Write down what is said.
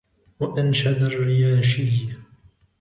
وَأَنْشَدَ الرِّيَاشِيُّ